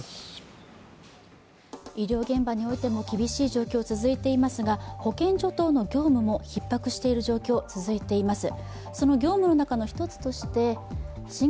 医療現場においても厳しい状況が続いていますが保健所等の業務もひっ迫している状況が続いています。